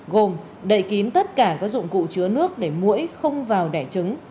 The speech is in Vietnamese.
gồm đậy kín tất cả các dụng cụ chứa nước để mũi không vào đẻ trứng